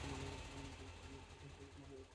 যোগের মূলতত্ত্ব হইল, মনের ঊর্ধ্বে গমন।